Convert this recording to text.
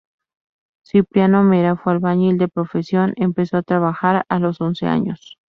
Cipriano Mera fue albañil de profesión, empezó a trabajar a los once años.